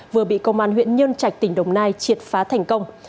vừa bị công an huyện nhân trạch tỉnh đồng nai triệt phá thành công